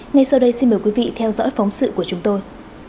ngay sau đây xin mời quý vị theo dõi phóng sự của chúng tôi